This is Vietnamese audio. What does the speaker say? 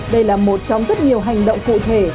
đây là một trong rất nhiều hành động cụ thể